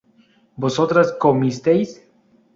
vosotras comisteis